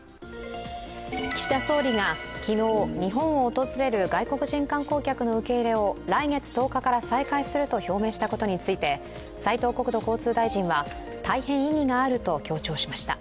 岸田総理が昨日、日本を訪れる外国人観光客の受け入れを来月１０日から再開すると表明したことについて斉藤国土交通大臣は、大変意義があると強調しました。